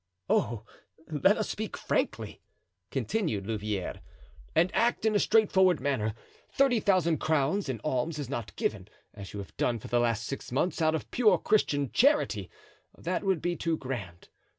"Oh! let us speak frankly," continued Louvieres, "and act in a straightforward manner. Thirty thousand crowns in alms is not given, as you have done for the last six months, out of pure Christian charity; that would be too grand.